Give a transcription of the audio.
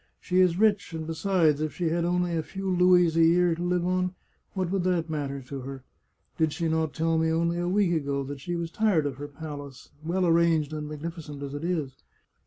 She is rich, and, besides, if she had only a few louis a year to live on, what would that matter to her? Did she not tell me, only a week ago, that she was tired of her palace, well arranged and magnificent as it is?